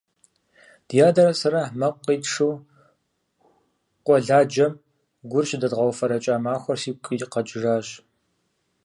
Ди адэрэ сэрэ мэкъу къитшу къуэладжэм гур щыдэдгъэуфэрэкӏа махуэр сигу къэкӏижащ.